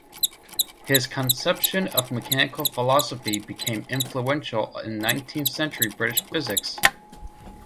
His conception of mechanical philosophy' became influential in nineteenth-century British physics.